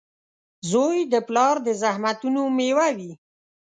• زوی د پلار د زحمتونو مېوه وي.